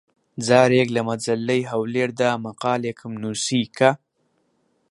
جارێک لە مەجەللەی هەولێر دا مەقالێکم نووسی کە: